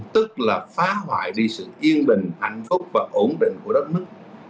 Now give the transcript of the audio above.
tức là phá hoại vì sự yên bình hạnh phúc và ổn định của đất nước